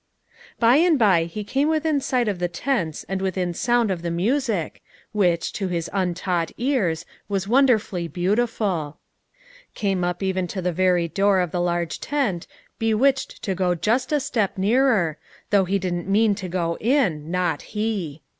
By and by he came within sight of the tents and within sound of the music, which, to his untaught ears, was wonderfully beautiful; came up even to the very door of the large tent, bewitched to go just a step nearer, though he didn't mean to go in, not he.